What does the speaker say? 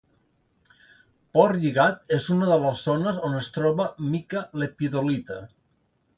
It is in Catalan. Portlligat és una de les zones on es troba mica lepidolita.